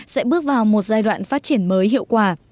sẽ bước vào một giai đoạn phát triển mới hiệu quả